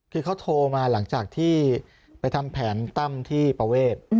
คือเขาโทรมาหลังจากที่ไปทำแผนตั้มที่ประเวท